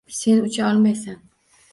Sen ucha olmaysan!